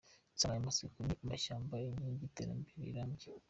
Insanganyamatsiko ni: “Amashyamba, Inkingi y’Iterambere rirambye.